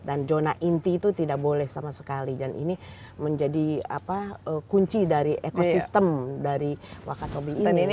dan zona inti itu tidak boleh sama sekali dan ini menjadi apa kunci dari ekosistem dari wakasobi ini